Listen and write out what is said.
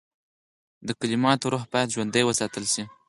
د کلماتو روح باید ژوندی وساتل شي.